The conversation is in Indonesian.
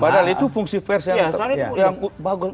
padahal itu fungsi versi yang bagus